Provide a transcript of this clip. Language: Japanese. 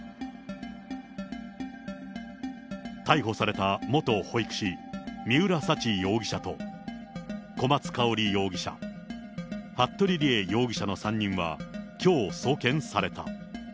逮捕された元保育士、三浦沙知容疑者と、小松香織容疑者、服部理江容疑者の３人は、きょう送検された。